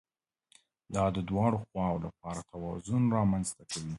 دا د دواړو خواوو لپاره توازن رامنځته کوي